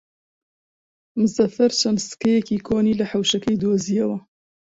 مزەفەر چەند سکەیەکی کۆنی لە حەوشەکەی دۆزییەوە.